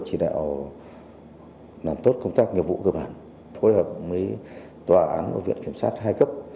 chỉ đạo làm tốt công tác nghiệp vụ cơ bản phối hợp với tòa án và viện kiểm sát hai cấp